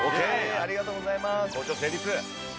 ありがとうございます。